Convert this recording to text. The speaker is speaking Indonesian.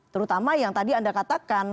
terutama yang tadi anda katakan